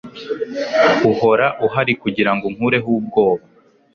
Uhora uhari kugirango unkureho ubwoba